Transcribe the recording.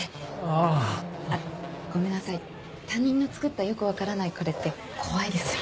あぁ。あっごめんなさい他人の作ったよく分からないカレーって怖いですよね。